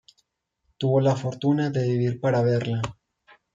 Tuvo la fortuna de vivir para verla.